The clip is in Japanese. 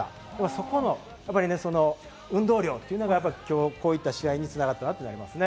そこの運動量というのが、こういった試合に繋がったなと思います。